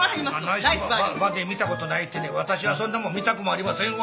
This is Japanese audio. ナイスバディ見たことないってわたしはそんなもん見たくもありませんわ。